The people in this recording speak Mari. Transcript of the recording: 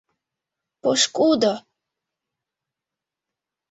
Пошкудо...